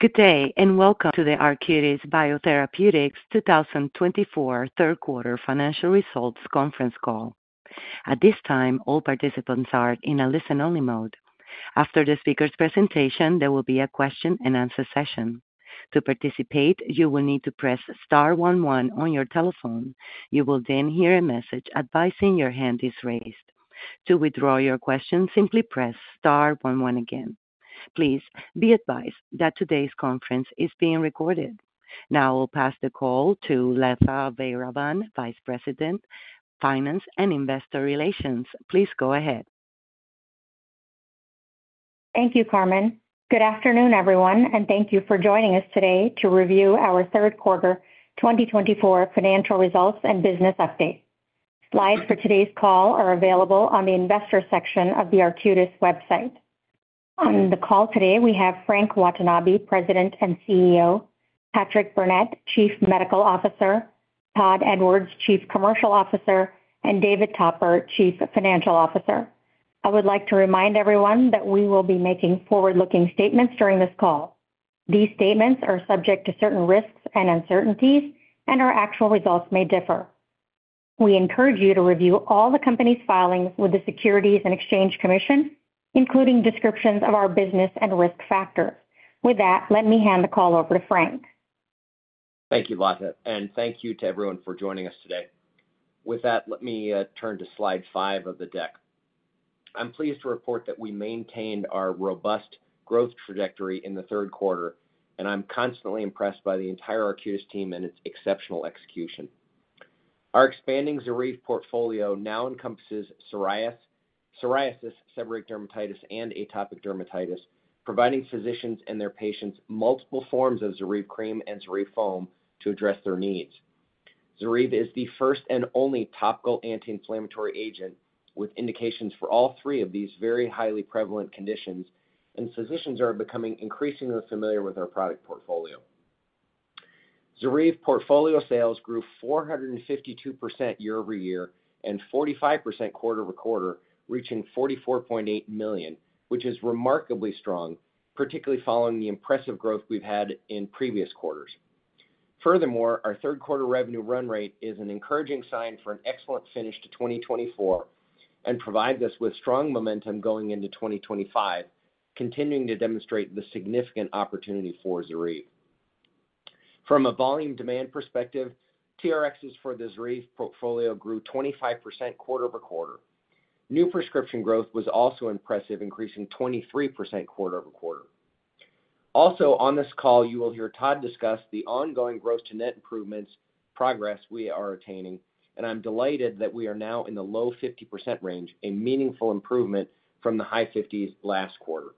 Good day and welcome to the Arcutis Biotherapeutics 2024 Third Quarter Financial Results Conference Call. At this time, all participants are in a listen-only mode. After the speaker's presentation, there will be a question-and-answer session. To participate, you will need to press star one one on your telephone. You will then hear a message advising your hand is raised. To withdraw your question, simply press star one one again. Please be advised that today's conference is being recorded. Now I'll pass the call to Latha Vairavan, Vice President, Finance and Investor Relations. Please go ahead. Thank you, Carmen. Good afternoon, everyone, and thank you for joining us today to review our third quarter 2024 financial results and business update. Slides for today's call are available on the Investor Section of the Arcutis website. On the call today, we have Frank Watanabe, President and CEO, Patrick Burnett, Chief Medical Officer, Todd Edwards, Chief Commercial Officer, and David Topper, Chief Financial Officer. I would like to remind everyone that we will be making forward-looking statements during this call. These statements are subject to certain risks and uncertainties, and our actual results may differ. We encourage you to review all the company's filings with the Securities and Exchange Commission, including descriptions of our business and risk factors. With that, let me hand the call over to Frank. Thank you, Latha, and thank you to everyone for joining us today. With that, let me turn to slide five of the deck. I'm pleased to report that we maintained our robust growth trajectory in the third quarter, and I'm constantly impressed by the entire Arcutis team and its exceptional execution. Our expanding ZORYVE portfolio now encompasses psoriasis, seborrheic dermatitis, and atopic dermatitis, providing physicians and their patients multiple forms of ZORYVE cream and ZORYVE foam to address their needs. ZORYVE is the first and only topical anti-inflammatory agent with indications for all three of these very highly prevalent conditions, and physicians are becoming increasingly familiar with our product portfolio. ZORYVE portfolio sales grew 452% year-over-year and 45% quarter-over-quarter, reaching $44.8 million, which is remarkably strong, particularly following the impressive growth we've had in previous quarters. Furthermore, our third quarter revenue run rate is an encouraging sign for an excellent finish to 2024 and provides us with strong momentum going into 2025, continuing to demonstrate the significant opportunity for ZORYVE. From a volume demand perspective, TRx for the ZORYVE portfolio grew 25% quarter over quarter. New prescription growth was also impressive, increasing 23% quarter over quarter. Also, on this call, you will hear Todd discuss the ongoing gross-to-net improvements progress we are attaining, and I'm delighted that we are now in the low 50% range, a meaningful improvement from the high 50s% last quarter.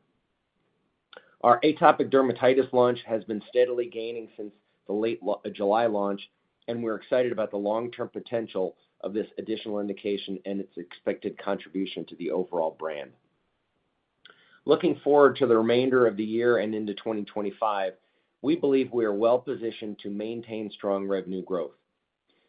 Our atopic dermatitis launch has been steadily gaining since the late July launch, and we're excited about the long-term potential of this additional indication and its expected contribution to the overall brand. Looking forward to the remainder of the year and into 2025, we believe we are well positioned to maintain strong revenue growth.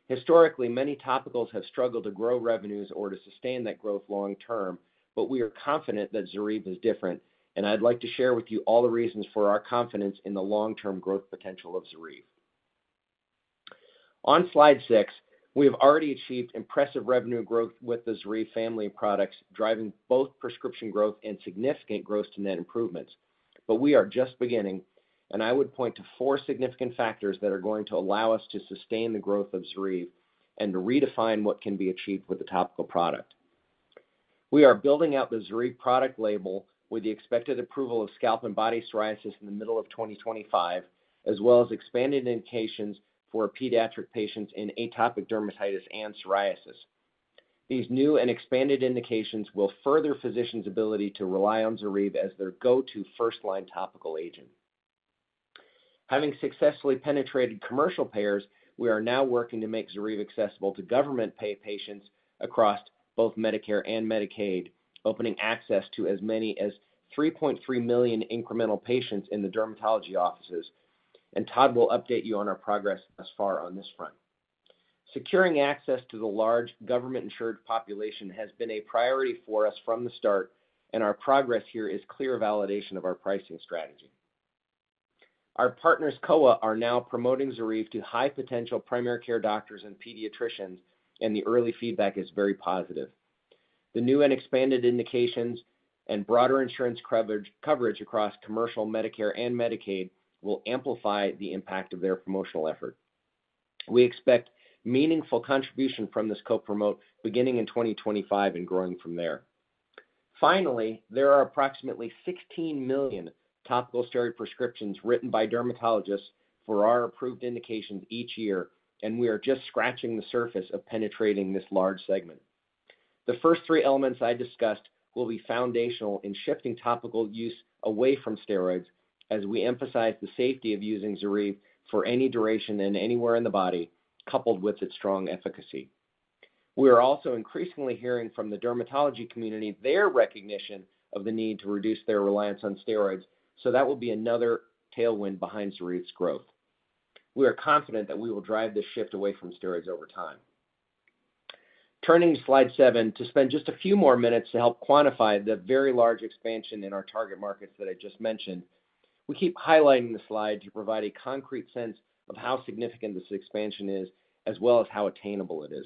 Historically, many topicals have struggled to grow revenues or to sustain that growth long term, but we are confident that ZORYVE is different, and I'd like to share with you all the reasons for our confidence in the long-term growth potential of ZORYVE. On Slide six, we have already achieved impressive revenue growth with the ZORYVE family products, driving both prescription growth and significant gross-to-net improvements, but we are just beginning, and I would point to four significant factors that are going to allow us to sustain the growth of ZORYVE and to redefine what can be achieved with the topical product. We are building out the ZORYVE product label with the expected approval of scalp and body psoriasis in the middle of 2025, as well as expanded indications for pediatric patients in atopic dermatitis and psoriasis. These new and expanded indications will further physicians' ability to rely on ZORYVE as their go-to first-line topical agent. Having successfully penetrated commercial payers, we are now working to make ZORYVE accessible to government-pay patients across both Medicare and Medicaid, opening access to as many as 3.3 million incremental patients in the dermatology offices, and Todd will update you on our progress thus far on this front. Securing access to the large government-insured population has been a priority for us from the start, and our progress here is clear validation of our pricing strategy. Our partners Kowa are now promoting ZORYVE to high-potential primary care doctors and pediatricians, and the early feedback is very positive. The new and expanded indications and broader insurance coverage across commercial Medicare and Medicaid will amplify the impact of their promotional effort. We expect meaningful contribution from this co-promote beginning in 2025 and growing from there. Finally, there are approximately 16 million topical steroid prescriptions written by dermatologists for our approved indications each year, and we are just scratching the surface of penetrating this large segment. The first three elements I discussed will be foundational in shifting topical use away from steroids as we emphasize the safety of using ZORYVE for any duration and anywhere in the body, coupled with its strong efficacy. We are also increasingly hearing from the dermatology community their recognition of the need to reduce their reliance on steroids, so that will be another tailwind behind ZORYVE's growth. We are confident that we will drive this shift away from steroids over time. Turning to Slide seven to spend just a few more minutes to help quantify the very large expansion in our target markets that I just mentioned, we keep highlighting the slide to provide a concrete sense of how significant this expansion is, as well as how attainable it is.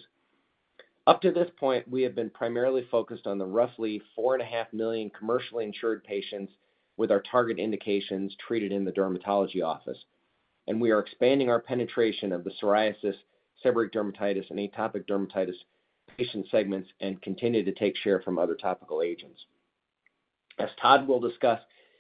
Up to this point, we have been primarily focused on the roughly 4.5 million commercially insured patients with our target indications treated in the dermatology office, and we are expanding our penetration of the psoriasis, seborrheic dermatitis, and atopic dermatitis patient segments and continue to take share from other topical agents. As Todd will discuss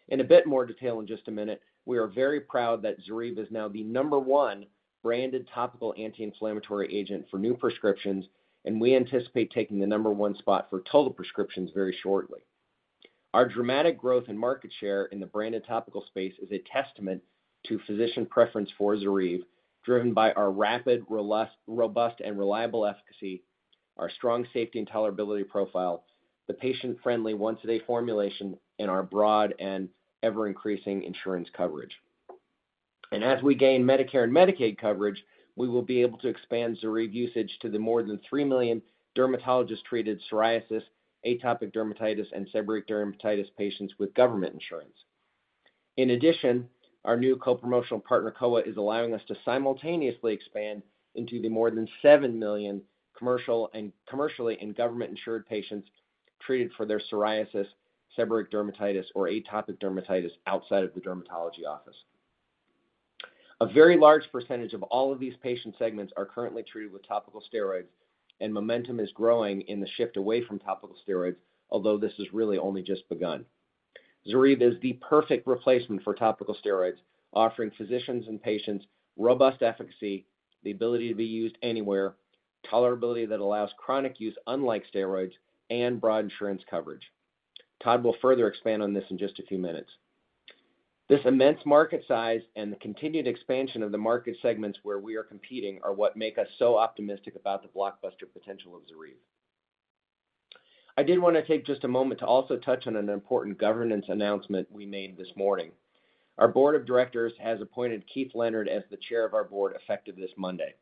in a bit more detail in just a minute, we are very proud that ZORYVE is now the number one branded topical anti-inflammatory agent for new prescriptions, and we anticipate taking the number one spot for total prescriptions very shortly. Our dramatic growth in market share in the branded topical space is a testament to physician preference for ZORYVE, driven by our rapid, robust, and reliable efficacy, our strong safety and tolerability profile, the patient-friendly once-a-day formulation, and our broad and ever-increasing insurance coverage. As we gain Medicare and Medicaid coverage, we will be able to expand ZORYVE usage to the more than three million dermatologist-treated psoriasis, atopic dermatitis, and seborrheic dermatitis patients with government insurance. In addition, our new co-promotional partner Kowa is allowing us to simultaneously expand into the more than seven million commercially and government-insured patients treated for their psoriasis, seborrheic dermatitis, or atopic dermatitis outside of the dermatology office. A very large percentage of all of these patient segments are currently treated with topical steroids, and momentum is growing in the shift away from topical steroids, although this is really only just begun. ZORYVE is the perfect replacement for topical steroids, offering physicians and patients robust efficacy, the ability to be used anywhere, tolerability that allows chronic use unlike steroids, and broad insurance coverage. Todd will further expand on this in just a few minutes. This immense market size and the continued expansion of the market segments where we are competing are what make us so optimistic about the blockbuster potential of ZORYVE. I did want to take just a moment to also touch on an important governance announcement we made this morning. Our board of directors has appointed Keith Leonard as the chair of our board effective this Monday.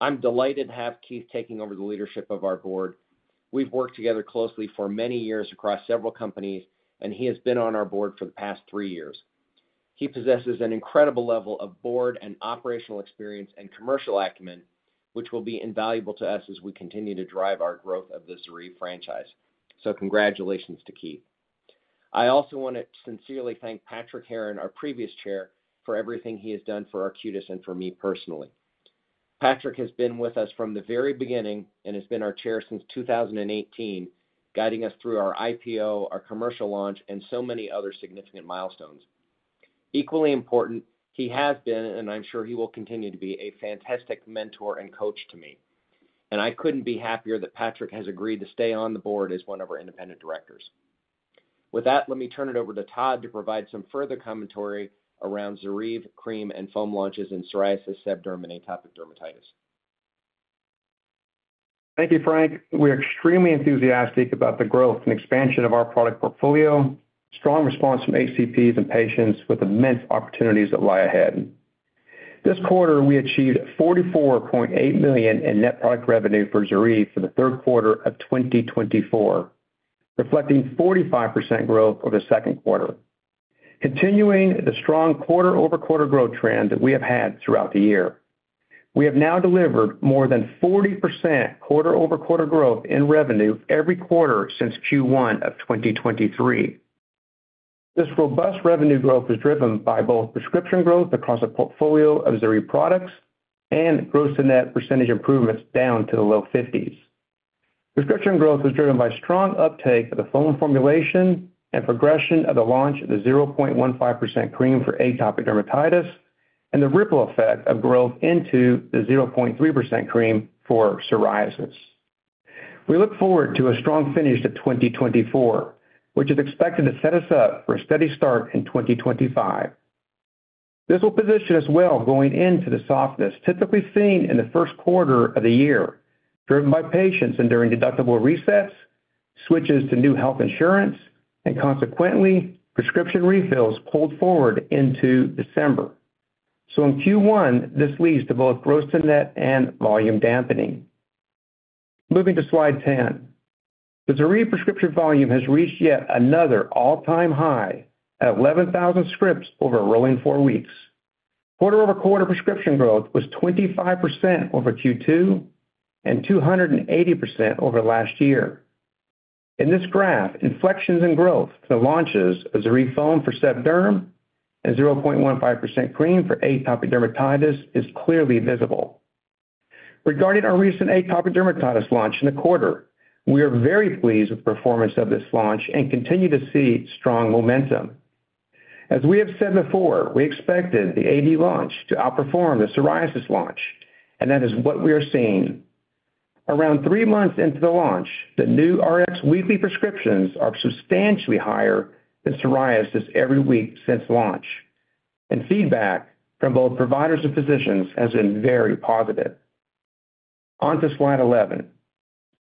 I'm delighted to have Keith taking over the leadership of our board. We've worked together closely for many years across several companies, and he has been on our board for the past three years. He possesses an incredible level of board and operational experience and commercial acumen, which will be invaluable to us as we continue to drive our growth of the ZORYVE franchise. So congratulations to Keith. I also want to sincerely thank Patrick Heron, our previous chair, for everything he has done for Arcutis and for me personally. Patrick has been with us from the very beginning and has been our chair since 2018, guiding us through our IPO, our commercial launch, and so many other significant milestones. Equally important, he has been, and I'm sure he will continue to be, a fantastic mentor and coach to me. And I couldn't be happier that Patrick has agreed to stay on the board as one of our independent directors. With that, let me turn it over to Todd to provide some further commentary around ZORYVE cream and foam launches in psoriasis, seb derm, and atopic dermatitis. Thank you, Frank. We're extremely enthusiastic about the growth and expansion of our product portfolio, strong response from HCPs and patients with immense opportunities that lie ahead. This quarter, we achieved $44.8 million in net product revenue for ZORYVE for the third quarter of 2024, reflecting 45% growth over the second quarter, continuing the strong quarter-over-quarter growth trend that we have had throughout the year. We have now delivered more than 40% quarter-over-quarter growth in revenue every quarter since Q1 of 2023. This robust revenue growth is driven by both prescription growth across the portfolio of ZORYVE products and gross-to-net percentage improvements down to the low 50s. Prescription growth is driven by strong uptake of the foam formulation and progression of the launch of the 0.15% cream for atopic dermatitis and the ripple effect of growth into the 0.3% cream for psoriasis. We look forward to a strong finish to 2024, which is expected to set us up for a steady start in 2025. This will position us well going into the softness typically seen in the first quarter of the year, driven by patients enduring deductible resets, switches to new health insurance, and consequently, prescription refills pulled forward into December. So in Q1, this leads to both gross-to-net and volume dampening. Moving to slide 10, the ZORYVE prescription volume has reached yet another all-time high at 11,000 scripts over a rolling four weeks. Quarter-over-quarter prescription growth was 25% over Q2 and 280% over last year. In this graph, inflections in growth to the launches of ZORYVE foam for seb derm and 0.15% cream for atopic dermatitis is clearly visible. Regarding our recent atopic dermatitis launch in the quarter, we are very pleased with the performance of this launch and continue to see strong momentum. As we have said before, we expected the AD launch to outperform the psoriasis launch, and that is what we are seeing. Around three months into the launch, the new Rx weekly prescriptions are substantially higher than psoriasis every week since launch, and feedback from both providers and physicians has been very positive. On to Slide 11.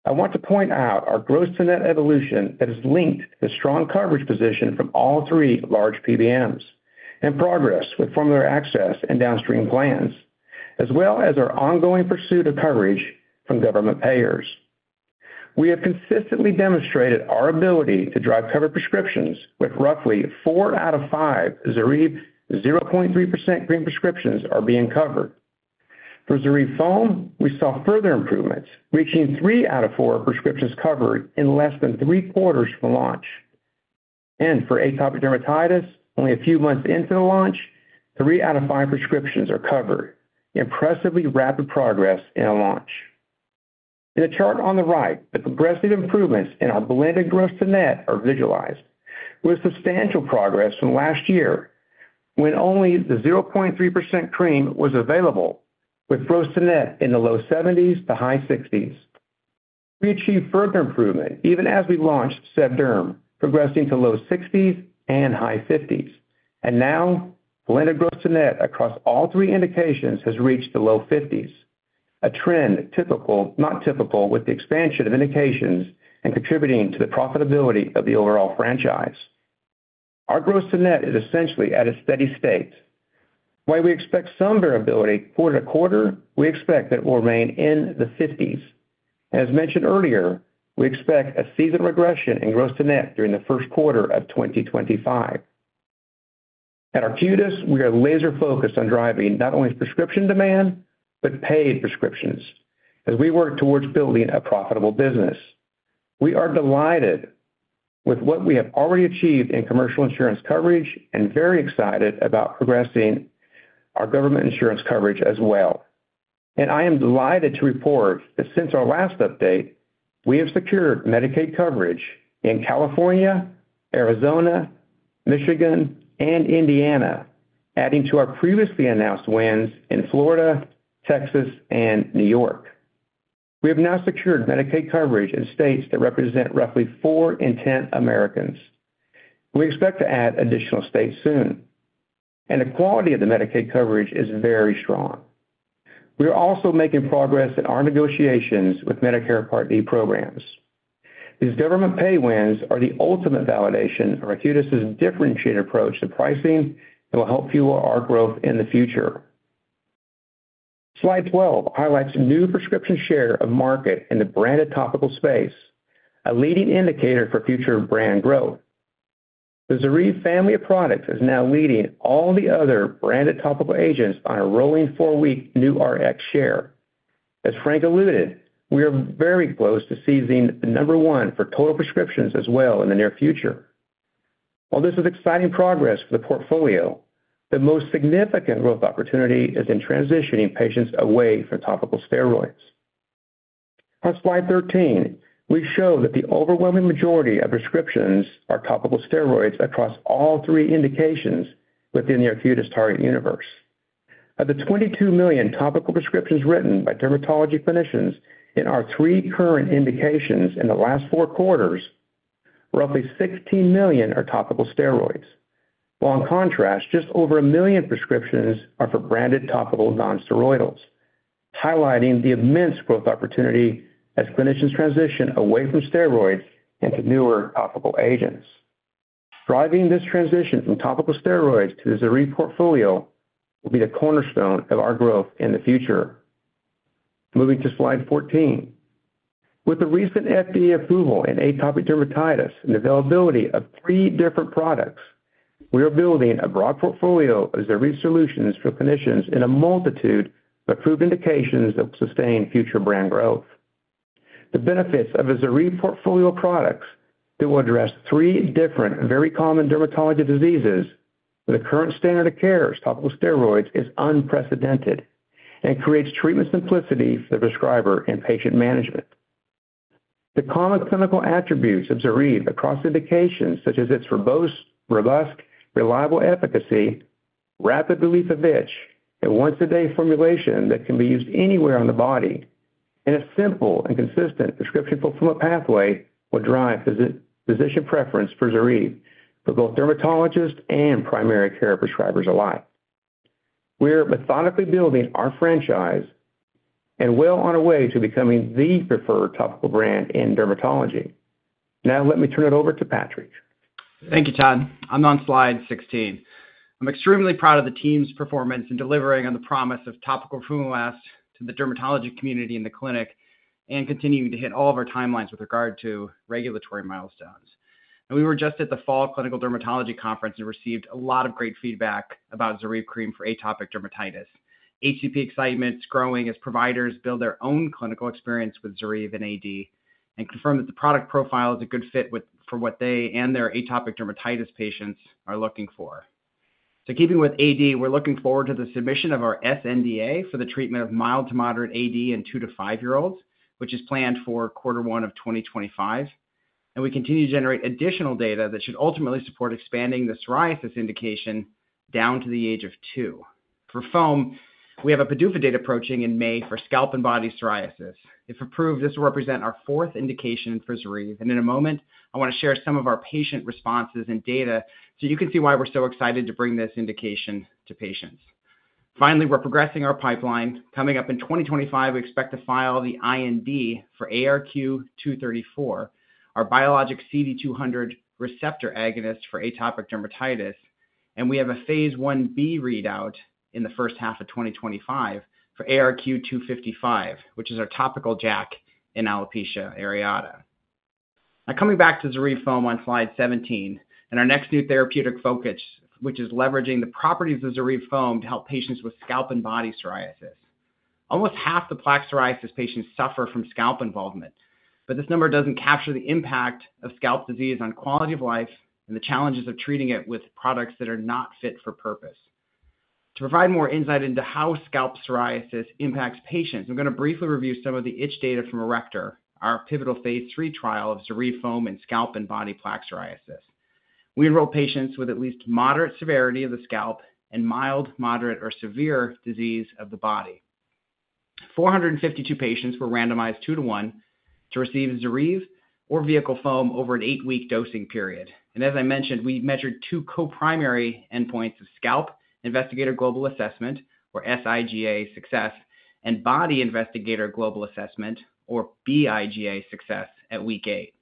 I want to point out our gross-to-net evolution that is linked to the strong coverage position from all three large PBMs and progress with formulary access and downstream plans, as well as our ongoing pursuit of coverage from government payers. We have consistently demonstrated our ability to drive covered prescriptions, with roughly four out of five ZORYVE 0.3% cream prescriptions being covered. For ZORYVE foam, we saw further improvements, reaching three out of four prescriptions covered in less than three quarters from launch. And for atopic dermatitis, only a few months into the launch, three out of five prescriptions are covered. Impressively rapid progress in a launch. In the chart on the right, the progressive improvements in our blended gross-to-net are visualized, with substantial progress from last year when only the 0.3% cream was available, with gross-to-net in the low 70s to high 60s. We achieved further improvement even as we launched seb derm, progressing to low 60s and high 50s. And now, blended gross-to-net across all three indications has reached the low 50s, a trend typical, not typical, with the expansion of indications and contributing to the profitability of the overall franchise. Our gross-to-net is essentially at a steady state. While we expect some variability quarter to quarter, we expect that it will remain in the 50s. As mentioned earlier, we expect a seasonal regression in gross-to-net during the first quarter of 2025. At Arcutis, we are laser-focused on driving not only prescription demand, but paid prescriptions as we work towards building a profitable business. We are delighted with what we have already achieved in commercial insurance coverage and very excited about progressing our government insurance coverage as well. I am delighted to report that since our last update, we have secured Medicaid coverage in California, Arizona, Michigan, and Indiana, adding to our previously announced wins in Florida, Texas, and New York. We have now secured Medicaid coverage in states that represent roughly four in ten Americans. We expect to add additional states soon. The quality of the Medicaid coverage is very strong. We are also making progress in our negotiations with Medicare Part D programs. These government pay wins are the ultimate validation of Arcutis's differentiated approach to pricing that will help fuel our growth in the future. Slide 12 highlights new prescription share of market in the branded topical space, a leading indicator for future brand growth. The ZORYVE family of products is now leading all the other branded topical agents on a rolling four-week new Rx share. As Frank alluded, we are very close to seizing the number one for total prescriptions as well in the near future. While this is exciting progress for the portfolio, the most significant growth opportunity is in transitioning patients away from topical steroids. On Slide 13, we show that the overwhelming majority of prescriptions are topical steroids across all three indications within the Arcutis Target universe. Of the 22 million topical prescriptions written by dermatology clinicians in our three current indications in the last four quarters, roughly 16 million are topical steroids. While in contrast, just over a million prescriptions are for branded topical nonsteroidals, highlighting the immense growth opportunity as clinicians transition away from steroids into newer topical agents. Driving this transition from topical steroids to the ZORYVE portfolio will be the cornerstone of our growth in the future. Moving to Slide 14. With the recent FDA approval in atopic dermatitis and availability of three different products, we are building a broad portfolio of ZORYVE solutions for clinicians in a multitude of approved indications that will sustain future brand growth. The benefits of the ZORYVE portfolio products will address three different very common dermatology diseases, where the current standard of care as topical steroids is unprecedented and creates treatment simplicity for the prescriber and patient management. The common clinical attributes of ZORYVE across indications, such as its robust, reliable efficacy, rapid relief of itch, a once-a-day formulation that can be used anywhere on the body, and a simple and consistent prescription fulfillment pathway will drive physician preference for ZORYVE for both dermatologists and primary care prescribers alike. We're methodically building our franchise and well on our way to becoming the preferred topical brand in dermatology. Now, let me turn it over to Patrick. Thank you, Todd. I'm on Slide 16. I'm extremely proud of the team's performance in delivering on the promise of topical ZORYVE to the dermatology community and the clinic and continuing to hit all of our timelines with regard to regulatory milestones. And we were just at the Fall Clinical Dermatology Conference and received a lot of great feedback about ZORYVE cream for atopic dermatitis. HCP excitement is growing as providers build their own clinical experience with ZORYVE and AD and confirm that the product profile is a good fit for what they and their atopic dermatitis patients are looking for. So keeping with AD, we're looking forward to the submission of our sNDA for the treatment of mild to moderate AD in two- to five-year-olds, which is planned for quarter one of 2025. We continue to generate additional data that should ultimately support expanding the psoriasis indication down to the age of two. For foam, we have a PDUFA date approaching in May for scalp and body psoriasis. If approved, this will represent our fourth indication for ZORYVE. In a moment, I want to share some of our patient responses and data so you can see why we're so excited to bring this indication to patients. Finally, we're progressing our pipeline. Coming up in 2025, we expect to file the IND for ARQ-234, our biologic CD200 receptor agonist for atopic dermatitis. We have a Phase 1b readout in the first half of 2025 for ARQ-255, which is our topical JAK inhibitor in alopecia areata. Now, coming back to ZORYVE foam on slide 17 and our next new therapeutic focus, which is leveraging the properties of ZORYVE foam to help patients with scalp and body psoriasis. Almost half the plaque psoriasis patients suffer from scalp involvement, but this number doesn't capture the impact of scalp disease on quality of life and the challenges of treating it with products that are not fit for purpose. To provide more insight into how scalp psoriasis impacts patients, I'm going to briefly review some of the itch data from ARRECTOR, our pivotal Phase 3 trial of ZORYVE foam in scalp and body plaque psoriasis. We enroll patients with at least moderate severity of the scalp and mild, moderate, or severe disease of the body. 452 patients were randomized two to one to receive ZORYVE or vehicle foam over an eight-week dosing period. As I mentioned, we measured two co-primary endpoints of scalp investigator global assessment, or S-IGA success, and body investigator global assessment, or B-IGA success at week eight.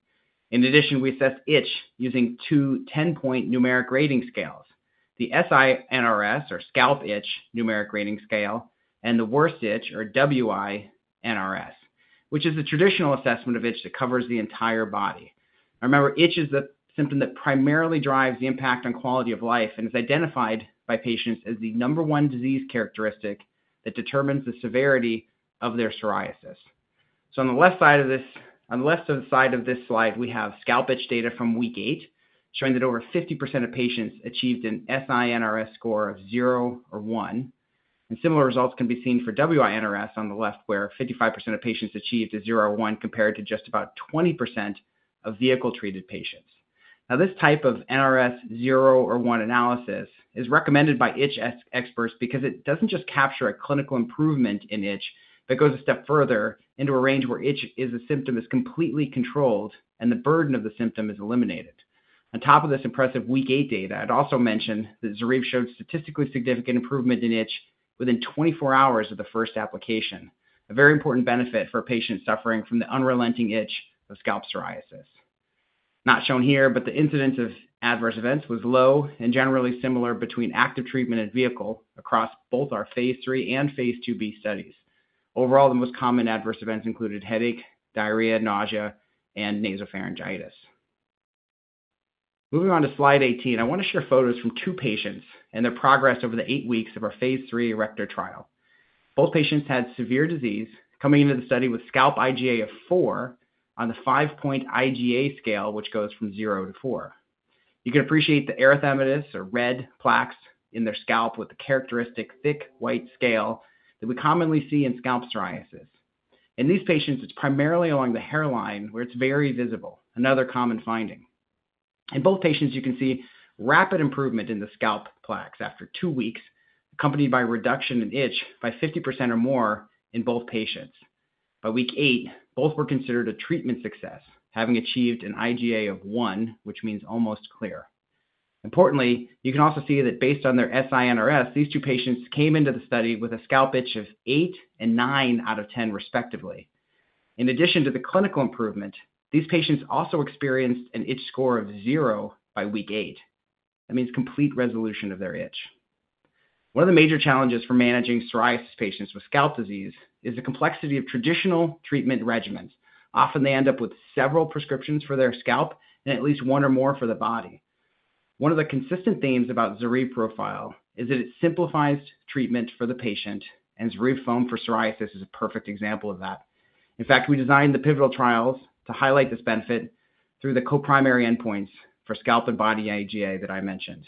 In addition, we assessed itch using two 10-point numeric rating scales: the SI-NRS, or scalp itch numeric rating scale, and the worst itch, or WI-NRS, which is the traditional assessment of itch that covers the entire body. Remember, itch is the symptom that primarily drives the impact on quality of life and is identified by patients as the number one disease characteristic that determines the severity of their psoriasis. So on the left side of this, on the left side of this slide, we have scalp itch data from week eight, showing that over 50% of patients achieved an SI-NRS score of zero or one. And similar results can be seen for WI-NRS on the left, where 55% of patients achieved a zero or one compared to just about 20% of vehicle-treated patients. Now, this type of NRS zero or one analysis is recommended by itch experts because it doesn't just capture a clinical improvement in itch, but goes a step further into a range where itch is a symptom that's completely controlled and the burden of the symptom is eliminated. On top of this impressive week eight data, I'd also mention that ZORYVE showed statistically significant improvement in itch within 24 hours of the first application, a very important benefit for a patient suffering from the unrelenting itch of scalp psoriasis. Not shown here, but the incidence of adverse events was low and generally similar between active treatment and vehicle across both our Phase 3 and Phase 2b studies. Overall, the most common adverse events included headache, diarrhea, nausea, and nasopharyngitis. Moving on to Slide 18, I want to share photos from two patients and their progress over the eight weeks of our Phase 3 ARRECTOR trial. Both patients had severe disease coming into the study with scalp IGA of four on the five-point IGA scale, which goes from zero to four. You can appreciate the erythematous or red plaques in their scalp with the characteristic thick white scale that we commonly see in scalp psoriasis. In these patients, it's primarily along the hairline where it's very visible, another common finding. In both patients, you can see rapid improvement in the scalp plaques after two weeks, accompanied by a reduction in itch by 50% or more in both patients. By week eight, both were considered a treatment success, having achieved an IGA of one, which means almost clear. Importantly, you can also see that based on their SI-NRS, these two patients came into the study with a scalp itch of eight and nine out of ten, respectively. In addition to the clinical improvement, these patients also experienced an itch score of zero by week eight. That means complete resolution of their itch. One of the major challenges for managing psoriasis patients with scalp disease is the complexity of traditional treatment regimens. Often, they end up with several prescriptions for their scalp and at least one or more for the body. One of the consistent themes about the ZORYVE profile is that it simplifies treatment for the patient, and ZORYVE foam for psoriasis is a perfect example of that. In fact, we designed the pivotal trials to highlight this benefit through the co-primary endpoints for scalp and body IGA that I mentioned.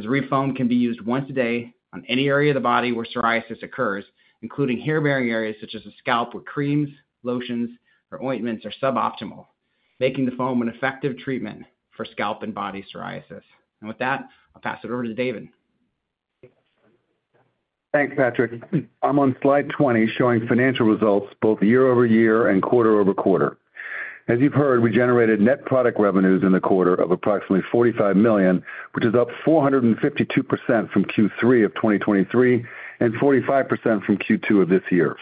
ZORYVE foam can be used once a day on any area of the body where psoriasis occurs, including hair-bearing areas such as the scalp, where creams, lotions, or ointments are suboptimal, making the foam an effective treatment for scalp and body psoriasis. With that, I'll pass it over to David. Thanks, Patrick. I'm on slide 20, showing financial results both year-over-year and quarter-over-quarter. As you've heard, we generated net product revenues in the quarter of approximately $45 million, which is up 452% from Q3 of 2023 and 45% from Q2 of this year.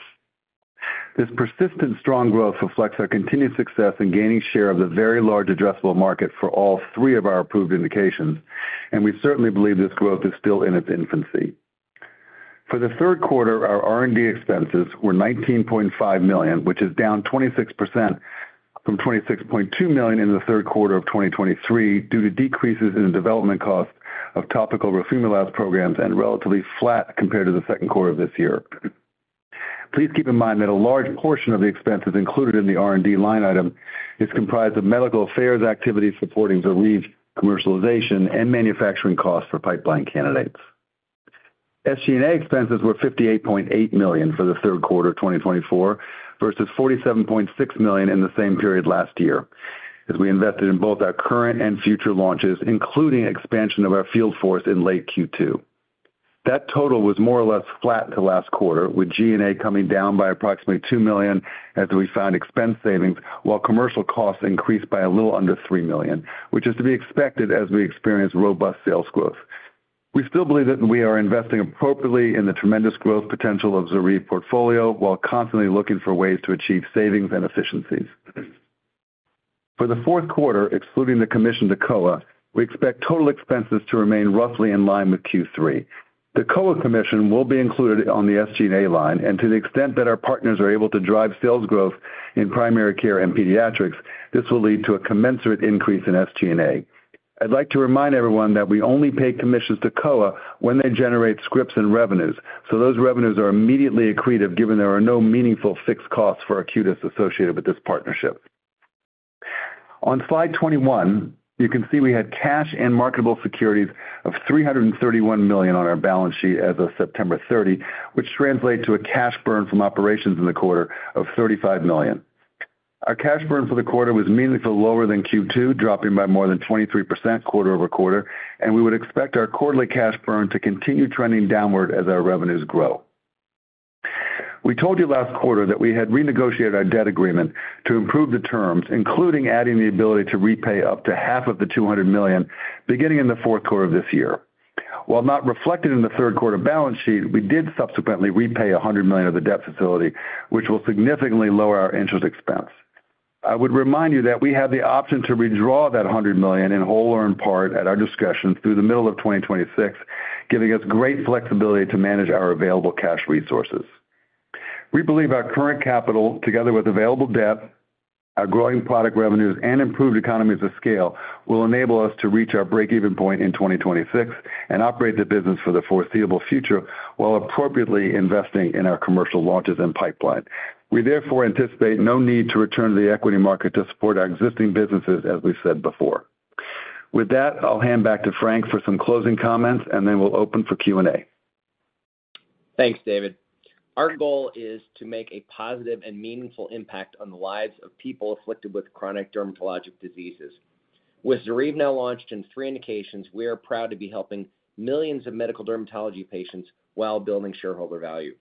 This persistent strong growth reflects our continued success in gaining share of the very large addressable market for all three of our approved indications, and we certainly believe this growth is still in its infancy. For the third quarter, our R&D expenses were $19.5 million, which is down 26% from $26.2 million in the third quarter of 2023 due to decreases in the development costs of topical roflumilast programs and relatively flat compared to the second quarter of this year. Please keep in mind that a large portion of the expenses included in the R&D line item is comprised of medical affairs activities supporting ZORYVE's commercialization and manufacturing costs for pipeline candidates. SG&A expenses were $58.8 million for the third quarter of 2024 versus $47.6 million in the same period last year, as we invested in both our current and future launches, including expansion of our field force in late Q2. That total was more or less flat to last quarter, with G&A coming down by approximately $2 million as we found expense savings, while commercial costs increased by a little under $3 million, which is to be expected as we experience robust sales growth. We still believe that we are investing appropriately in the tremendous growth potential of ZORYVE's portfolio while constantly looking for ways to achieve savings and efficiencies. For the fourth quarter, excluding the commission to Kowa, we expect total expenses to remain roughly in line with Q3. The Kowa commission will be included on the SG&A line, and to the extent that our partners are able to drive sales growth in primary care and pediatrics, this will lead to a commensurate increase in SG&A. I'd like to remind everyone that we only pay commissions to Kowa when they generate scripts and revenues, so those revenues are immediately accretive given there are no meaningful fixed costs for Arcutis associated with this partnership. On Slide 21, you can see we had cash and marketable securities of $331 million on our balance sheet as of September 30, which translated to a cash burn from operations in the quarter of $35 million. Our cash burn for the quarter was meaningfully lower than Q2, dropping by more than 23% quarter-over-quarter, and we would expect our quarterly cash burn to continue trending downward as our revenues grow. We told you last quarter that we had renegotiated our debt agreement to improve the terms, including adding the ability to repay up to half of the $200 million beginning in the fourth quarter of this year. While not reflected in the third quarter balance sheet, we did subsequently repay $100 million of the debt facility, which will significantly lower our interest expense. I would remind you that we have the option to withdraw that $100 million in whole or in part at our discretion through the middle of 2026, giving us great flexibility to manage our available cash resources. We believe our current capital, together with available debt, our growing product revenues, and improved economies of scale will enable us to reach our break-even point in 2026 and operate the business for the foreseeable future while appropriately investing in our commercial launches and pipeline. We therefore anticipate no need to return to the equity market to support our existing businesses, as we said before. With that, I'll hand back to Frank for some closing comments, and then we'll open for Q&A. Thanks, David. Our goal is to make a positive and meaningful impact on the lives of people afflicted with chronic dermatologic diseases. With ZORYVE now launched in three indications, we are proud to be helping millions of medical dermatology patients while building shareholder value.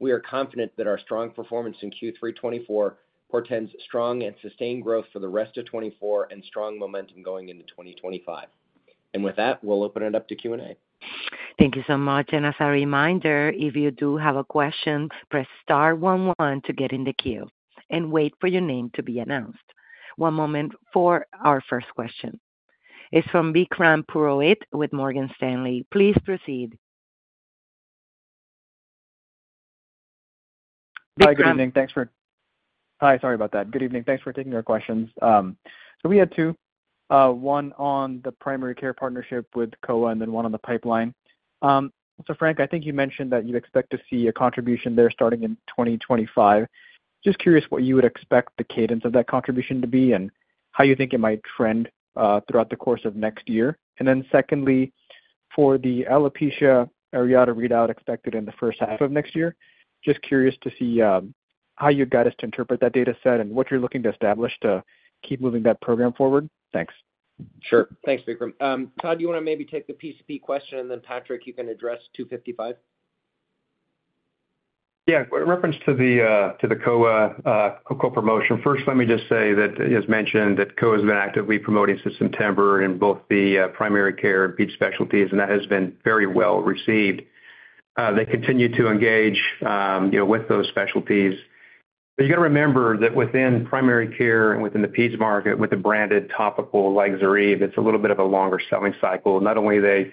We are confident that our strong performance in Q3 2024 portends strong and sustained growth for the rest of 2024 and strong momentum going into 2025. And with that, we'll open it up to Q&A. Thank you so much. And as a reminder, if you do have a question, press star one one to get in the queue and wait for your name to be announced. One moment for our first question. It's from Vikram Purohit with Morgan Stanley. Please proceed. Hi, good evening. Thanks for taking our questions. We had two, one on the primary care partnership with Kowa and then one on the pipeline. Frank, I think you mentioned that you expect to see a contribution there starting in 2025. Just curious what you would expect the cadence of that contribution to be and how you think it might trend throughout the course of next year. Then secondly, for the alopecia areata readout expected in the first half of next year, just curious to see how you'd guide us to interpret that data set and what you're looking to establish to keep moving that program forward. Thanks. Sure. Thanks, Vikram. Todd, do you want to maybe take the PCP question, and then Patrick, you can address 255? Yeah. In reference to the Kowa promotion, first, let me just say that, as mentioned, that Kowa has been actively promoting ZORYVE in both the primary care and peds specialties, and that has been very well received. They continue to engage with those specialties. But you got to remember that within primary care and within the peds market, with the branded topical like ZORYVE, it's a little bit of a longer selling cycle. Not only are they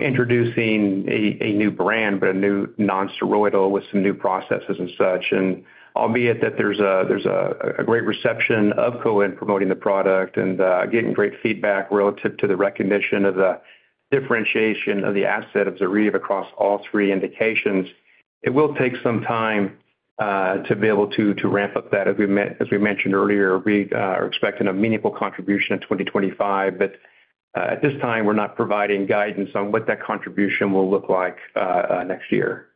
introducing a new brand, but a new non-steroidal with some new processes and such. And albeit that there's a great reception of Kowa in promoting the product and getting great feedback relative to the recognition of the differentiation of the asset of ZORYVE across all three indications, it will take some time to be able to ramp up that. As we mentioned earlier, we are expecting a meaningful contribution in 2025, but at this time, we're not providing guidance on what that contribution will look like next year.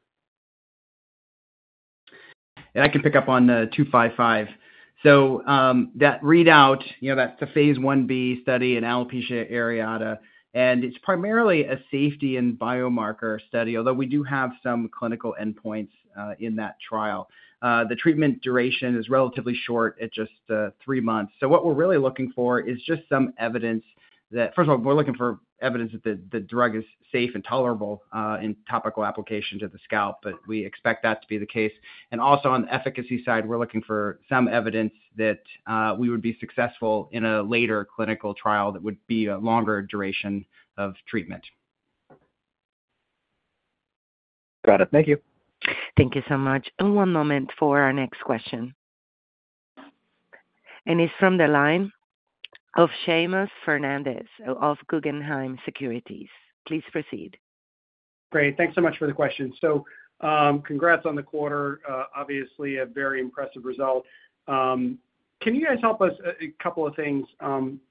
I can pick up on the ARQ-255. So that readout, that's the Phase 1b study in alopecia areata, and it's primarily a safety and biomarker study, although we do have some clinical endpoints in that trial. The treatment duration is relatively short at just three months. So what we're really looking for is just some evidence that, first of all, we're looking for evidence that the drug is safe and tolerable in topical application to the scalp, but we expect that to be the case. And also on the efficacy side, we're looking for some evidence that we would be successful in a later Clinical Trial that would be a longer duration of treatment. Got it. Thank you. Thank you so much. And one moment for our next question. And it's from the line of Seamus Fernandez of Guggenheim Securities. Please proceed. Great. Thanks so much for the question. So congrats on the quarter. Obviously, a very impressive result. Can you guys help us a couple of things?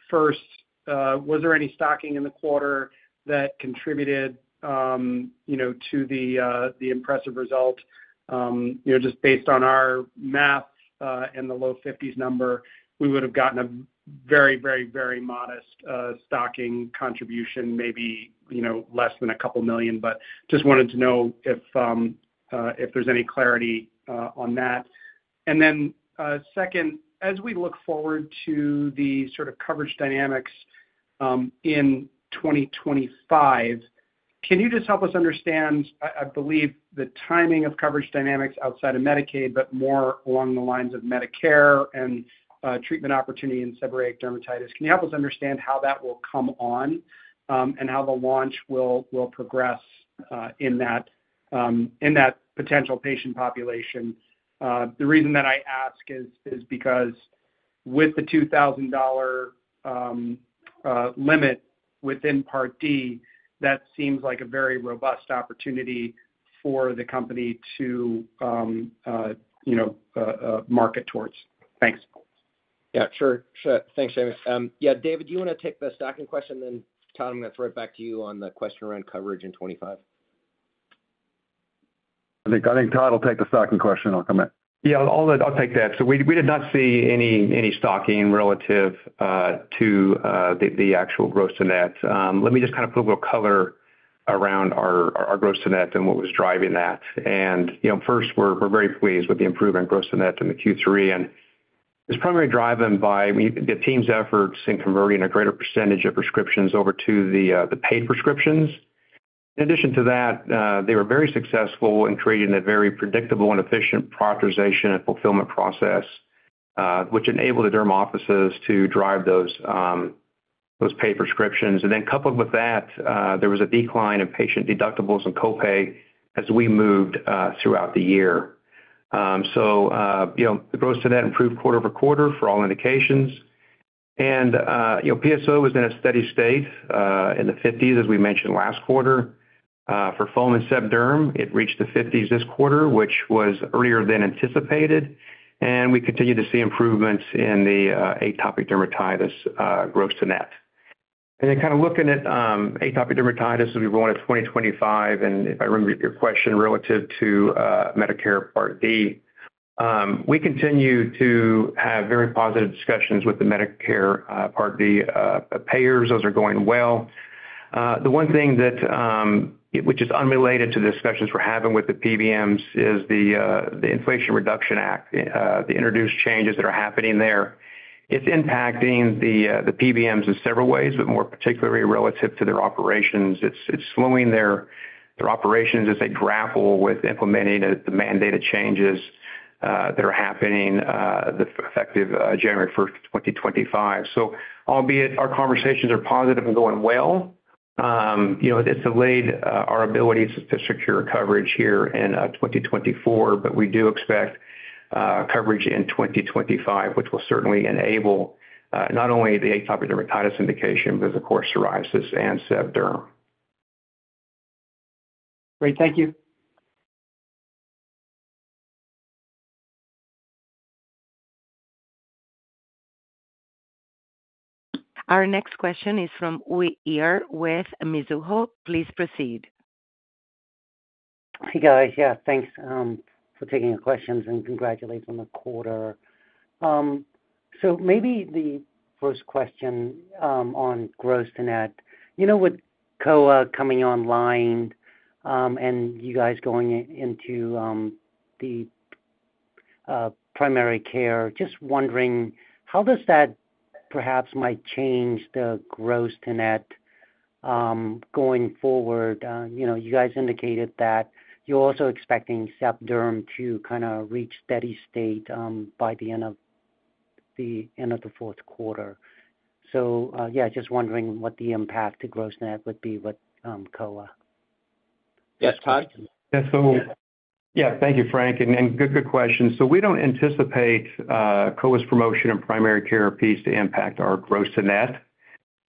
First, was there any stocking in the quarter that contributed to the impressive result? Just based on our math and the low 50s number, we would have gotten a very, very, very modest stocking contribution, maybe less than $2 million, but just wanted to know if there's any clarity on that. And then second, as we look forward to the sort of coverage dynamics in 2025, can you just help us understand, I believe, the timing of coverage dynamics outside of Medicaid, but more along the lines of Medicare and treatment opportunity in seborrheic dermatitis? Can you help us understand how that will come on and how the launch will progress in that potential patient population? The reason that I ask is because with the $2,000 limit within Part D, that seems like a very robust opportunity for the company to market towards. Thanks. Yeah, sure. Thanks, Seamus. Yeah, David, do you want to take the stocking question? Then, Todd, I'm going to throw it back to you on the question around coverage in 2025. I think Todd will take the stocking question. I'll come in. Yeah, I'll take that, so we did not see any stocking relative to the actual gross net. Let me just kind of put a little color around our gross net and what was driving that, and first, we're very pleased with the improvement in gross net in the Q3. And it's primarily driven by the team's efforts in converting a greater percentage of prescriptions over to the paid prescriptions. In addition to that, they were very successful in creating a very predictable and efficient prioritization and fulfillment process, which enabled the derm offices to drive those paid prescriptions, and then coupled with that, there was a decline in patient deductibles and copay as we moved throughout the year, so the gross net improved quarter over quarter for all indications, and PSO was in a steady state in the 50s, as we mentioned last quarter. For foam and seb derm, it reached the 50s this quarter, which was earlier than anticipated, and we continued to see improvements in the atopic dermatitis gross-to-net, and then kind of looking at atopic dermatitis as we go into 2025, and if I remember your question relative to Medicare Part D, we continue to have very positive discussions with the Medicare Part D payers. Those are going well. The one thing which is unrelated to the discussions we're having with the PBMs is the Inflation Reduction Act, the introduced changes that are happening there. It's impacting the PBMs in several ways, but more particularly relative to their operations. It's slowing their operations as they grapple with implementing the mandated changes that are happening effective January 1st, 2025. So, albeit our conversations are positive and going well, it's delayed our ability to secure coverage here in 2024, but we do expect coverage in 2025, which will certainly enable not only the atopic dermatitis indication, but, as of course, psoriasis and seb derm. Great. Thank you. Our next question is from Uy Ear with Mizuho. Please proceed. Hey, guys. Yeah, thanks for taking the questions and congratulations on the quarter. So maybe the first question on gross-to-net. You know with Kowa coming online and you guys going into the primary care, just wondering how does that perhaps might change the gross-to-net going forward? You guys indicated that you're also expecting seb derm to kind of reach steady state by the end of the fourth quarter. So yeah, just wondering what the impact to gross-to-net would be with Kowa. Yes, Todd? Yeah. So yeah, thank you, Frank. And good question. So we don't anticipate Kowa's promotion in primary care piece to impact our gross-to-net.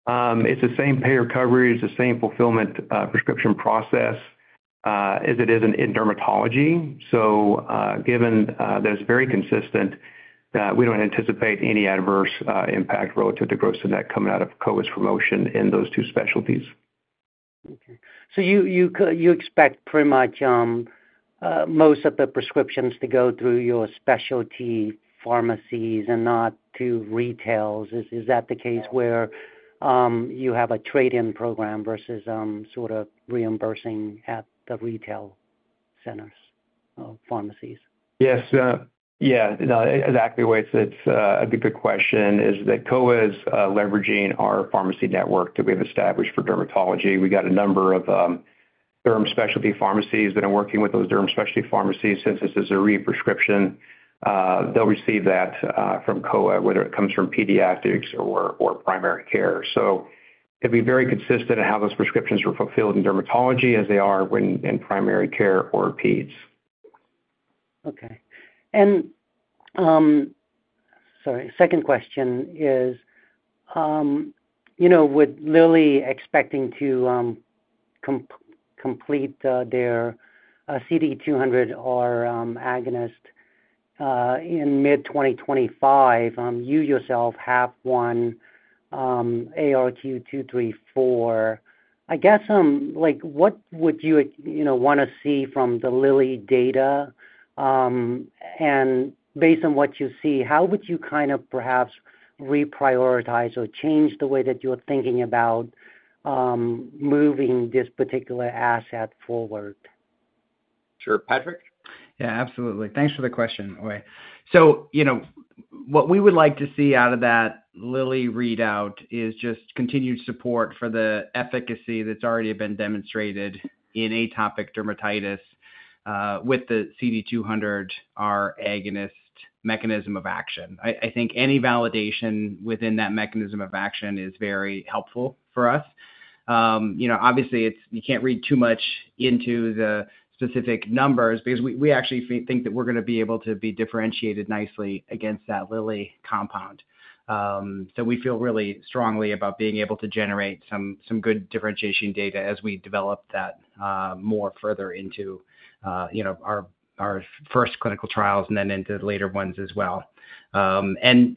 It's the same payer coverage. It's the same fulfillment prescription process as it is in dermatology. So given that it's very consistent, we don't anticipate any adverse impact relative to gross-to-net coming out of Kowa's promotion in those two specialties. Okay. So you expect pretty much most of the prescriptions to go through your specialty pharmacies and not to retail. Is that the case where you have a trade-in program versus sort of reimbursing at the retail centers or pharmacies? Yes. Yeah. No, exactly the way it sits, a good question is that Kowa is leveraging our pharmacy network that we have established for dermatology. We've got a number of derm specialty pharmacies since this is a re-prescription. They'll receive that from Kowa, whether it comes from pediatrics or primary care. So it'd be very consistent in how those prescriptions are fulfilled in dermatology as they are in primary care or peds. Okay. And sorry, second question is with Lilly expecting to complete their CD200 receptor agonist in mid-2025, you yourself have one ARQ-234. I guess what would you want to see from the Lilly data? And based on what you see, how would you kind of perhaps reprioritize or change the way that you're thinking about moving this particular asset forward? Sure. Patrick? Yeah, absolutely. Thanks for the question, Uy. So what we would like to see out of that Lilly readout is just continued support for the efficacy that's already been demonstrated in atopic dermatitis with the CD200R agonist mechanism of action. I think any validation within that mechanism of action is very helpful for us. Obviously, you can't read too much into the specific numbers because we actually think that we're going to be able to be differentiated nicely against that Lilly compound. So we feel really strongly about being able to generate some good differentiation data as we develop that more further into our first clinical trials and then into the later ones as well. And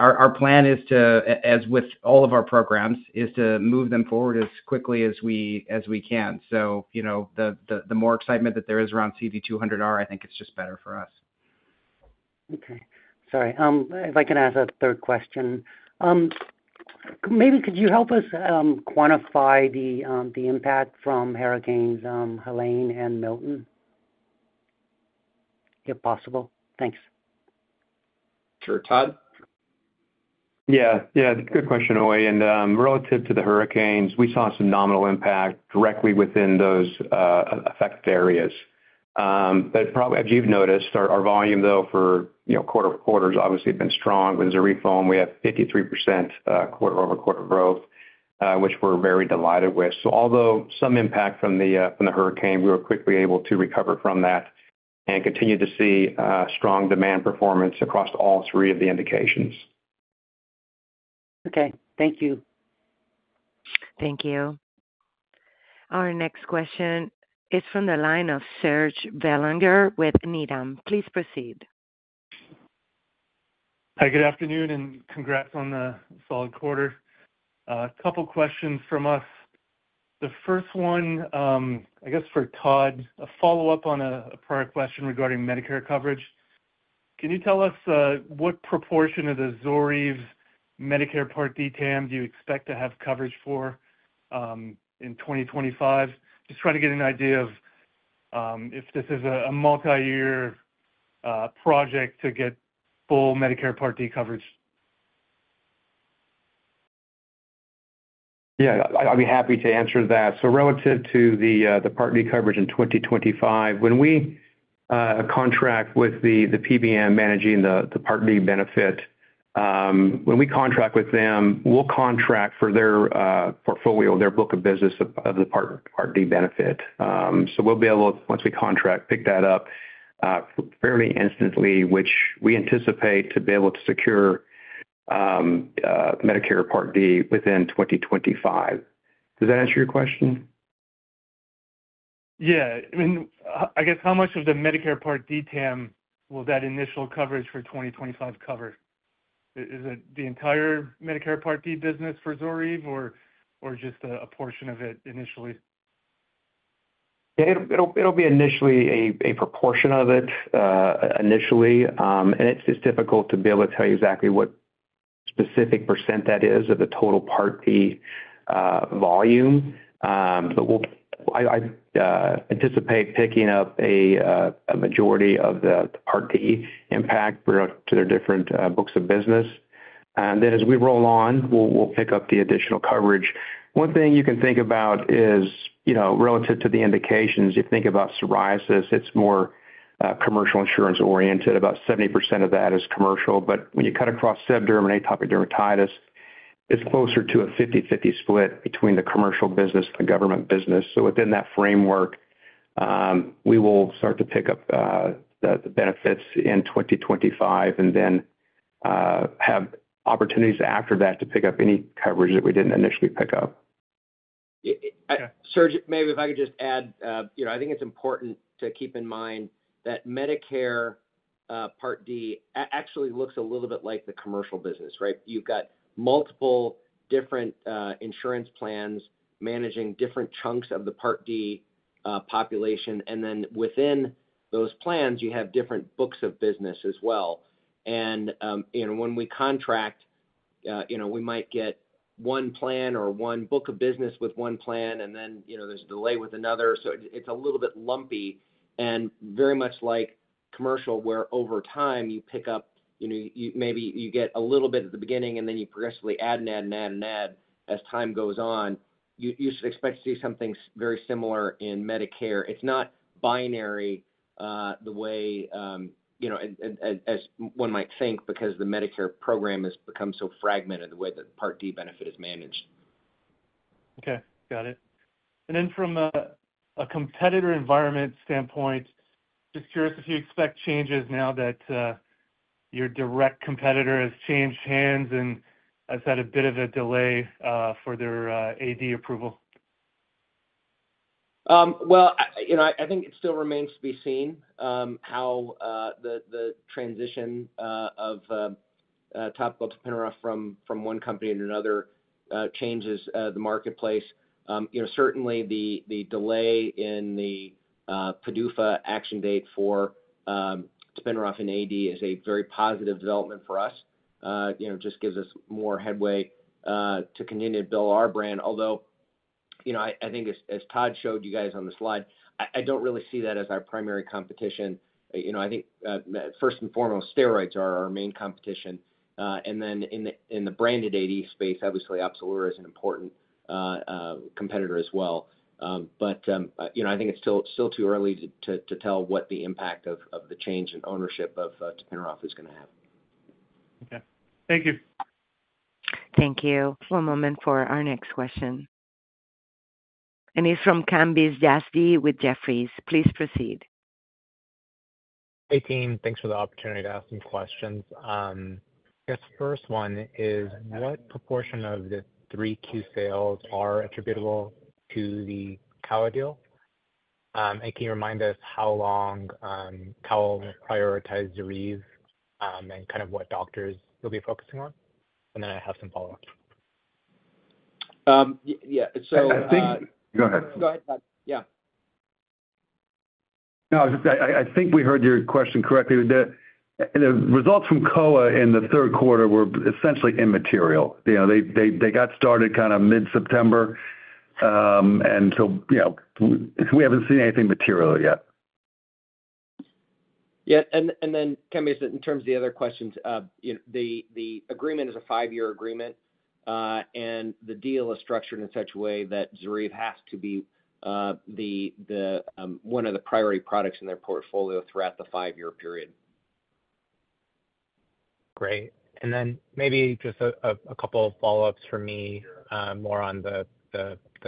our plan is to, as with all of our programs, is to move them forward as quickly as we can. So the more excitement that there is around CD200R, I think it's just better for us. Okay. Sorry. If I can ask a third question, maybe could you help us quantify the impact from Hurricanes Helene and Milton if possible? Thanks. Sure. Todd? Yeah. Yeah. Good question, Uy. And relative to the hurricanes, we saw some nominal impact directly within those affected areas. But probably, as you've noticed, our volume, though, for quarter to quarter has obviously been strong. With ZORYVE, we have 53% quarter over quarter growth, which we're very delighted with. So although some impact from the hurricane, we were quickly able to recover from that and continue to see strong demand performance across all three of the indications. Okay. Thank you. Thank you. Our next question is from the line of Serge Belanger with Needham. Please proceed. Hi, good afternoon, and congrats on the solid quarter. A couple of questions from us. The first one, I guess for Todd, a follow-up on a prior question regarding Medicare coverage. Can you tell us what proportion of the ZORYVE's Medicare Part D TAM do you expect to have coverage for in 2025? Just trying to get an idea of if this is a multi-year project to get full Medicare Part D coverage. Yeah. I'd be happy to answer that. So relative to the Part D coverage in 2025, when we contract with the PBM managing the Part D benefit, when we contract with them, we'll contract for their portfolio, their book of business of the Part D benefit. So we'll be able, once we contract, pick that up fairly instantly, which we anticipate to be able to secure Medicare Part D within 2025. Does that answer your question? Yeah. I mean, I guess how much of the Medicare Part D TAM will that initial coverage for 2025 cover? Is it the entire Medicare Part D business for ZORYVE or just a portion of it initially? Yeah. It'll be initially a proportion of it initially. And it's difficult to be able to tell you exactly what specific percent that is of the total Part D volume. But I anticipate picking up a majority of the Part D impact to their different books of business. And then as we roll on, we'll pick up the additional coverage. One thing you can think about is relative to the indications, if you think about psoriasis, it's more commercial insurance-oriented. About 70% of that is commercial. But when you cut across seb derm and atopic dermatitis, it's closer to a 50/50 split between the commercial business and the government business. So within that framework, we will start to pick up the benefits in 2025 and then have opportunities after that to pick up any coverage that we didn't initially pick up. Serge, maybe if I could just add, I think it's important to keep in mind that Medicare Part D actually looks a little bit like the commercial business, right? You've got multiple different insurance plans managing different chunks of the Part D population. And then within those plans, you have different books of business as well. And when we contract, we might get one plan or one book of business with one plan, and then there's a delay with another. So it's a little bit lumpy and very much like commercial where over time you pick up, maybe you get a little bit at the beginning, and then you progressively add and add and add and add as time goes on. You should expect to see something very similar in Medicare. It's not binary the way as one might think because the Medicare program has become so fragmented the way that the Part D benefit is managed. Okay. Got it. And then from a competitor environment standpoint, just curious if you expect changes now that your direct competitor has changed hands and has had a bit of a delay for their AD approval? I think it still remains to be seen how the transition of topical tapinarof from one company to another changes the marketplace. Certainly, the delay in the PDUFA action date for tapinarof AD is a very positive development for us. It just gives us more headway to continue to build our brand. Although I think, as Todd showed you guys on the slide, I don't really see that as our primary competition. I think first and foremost, steroids are our main competition. And then in the branded AD space, obviously, Opzelura is an important competitor as well. But I think it's still too early to tell what the impact of the change in ownership of tapinarof is going to have. Okay. Thank you. Thank you. One moment for our next question, and he's from Kambiz Yazdi with Jefferies. Please proceed. Hey, team. Thanks for the opportunity to ask some questions. I guess the first one is what proportion of the 3Q sales are attributable to the Kowa deal? And can you remind us how long Kowa will prioritize ZORYVE and kind of what doctors you'll be focusing on? And then I have some follow-ups. Yeah. So. I think. Go ahead. Go ahead, Todd. Yeah. No, I think we heard your question correctly. The results from Kowa in the third quarter were essentially immaterial. They got started kind of mid-September, and so we haven't seen anything material yet. Yeah. And then Kambiz, in terms of the other questions, the agreement is a five-year agreement, and the deal is structured in such a way that ZORYVE has to be one of the priority products in their portfolio throughout the five-year period. Great. And then maybe just a couple of follow-ups from me more on the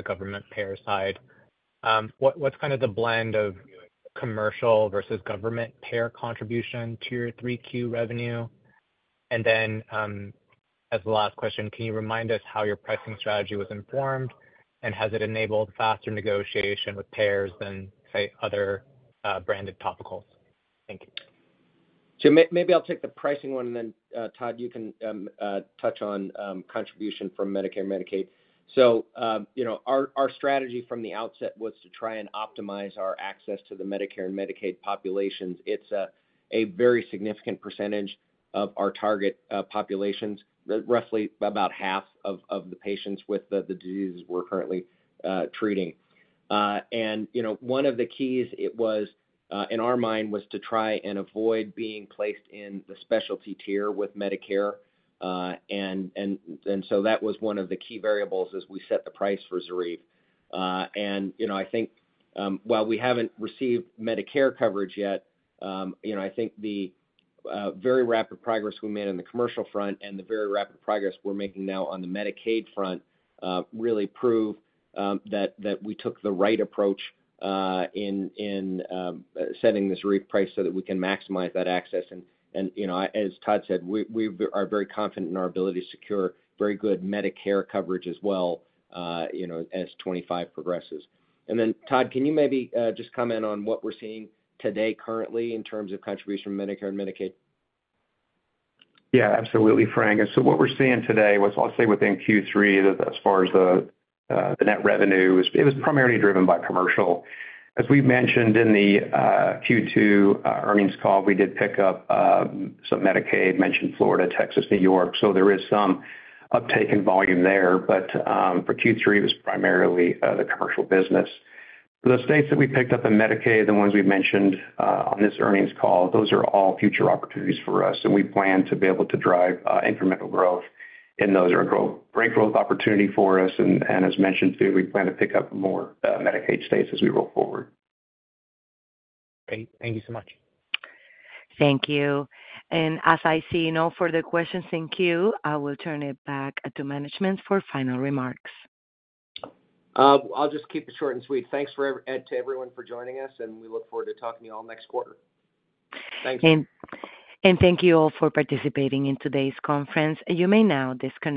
government payer side. What's kind of the blend of commercial versus government payer contribution to your 3Q revenue? And then as the last question, can you remind us how your pricing strategy was informed? And has it enabled faster negotiation with payers than, say, other branded topicals? Thank you. So maybe I'll take the pricing one. And then, Todd, you can touch on contribution from Medicare and Medicaid. Our strategy from the outset was to try and optimize our access to the Medicare and Medicaid populations. It's a very significant percentage of our target populations, roughly about half of the patients with the diseases we're currently treating. And one of the keys in our mind was to try and avoid being placed in the specialty tier with Medicare. And so that was one of the key variables as we set the price for ZORYVE. And I think while we haven't received Medicare coverage yet, I think the very rapid progress we made on the commercial front and the very rapid progress we're making now on the Medicaid front really prove that we took the right approach in setting the ZORYVE price so that we can maximize that access. As Todd said, we are very confident in our ability to secure very good Medicare coverage as 2025 progresses. Then, Todd, can you maybe just comment on what we're seeing today currently in terms of contribution from Medicare and Medicaid? Yeah, absolutely, Frank. And so what we're seeing today was, I'll say, within Q3, as far as the net revenue, it was primarily driven by commercial. As we mentioned in the Q2 earnings call, we did pick up some Medicaid, mentioned Florida, Texas, New York. So there is some uptake in volume there. But for Q3, it was primarily the commercial business. The states that we picked up in Medicaid, the ones we mentioned on this earnings call, those are all future opportunities for us. And we plan to be able to drive incremental growth in those or a great growth opportunity for us. And as mentioned, too, we plan to pick up more Medicaid states as we roll forward. Great. Thank you so much. Thank you. And as I see no further questions in queue, I will turn it back to management for final remarks. I'll just keep it short and sweet. Thanks to everyone for joining us, and we look forward to talking to you all next quarter. Thanks. Thank you all for participating in today's conference. You may now disconnect.